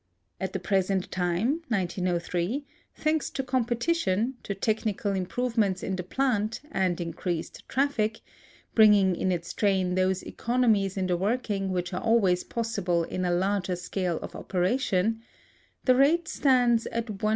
At the present time (1903), thanks to competition, to technical improvements in the plant, and increased traffic bringing in its train those economies in the working which are always possible in a larger scale of operation the rate stands at 1s.